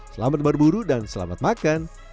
selamat berburu dan selamat makan